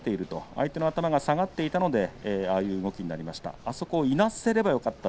相手の頭が下がっていたのでああいう動きになった。